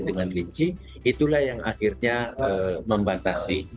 dengan rinci itulah yang akhirnya membatasi